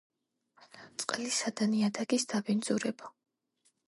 წყლისა და ნიადაგის დაბინძურება